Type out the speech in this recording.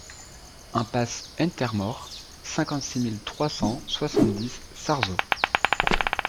Impasse Hent er Mor, cinquante-six mille trois cent soixante-dix Sarzeau